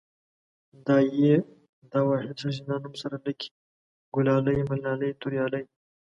دا ۍ دا واحد ښځينه نوم سره لګي، ګلالۍ ملالۍ توريالۍ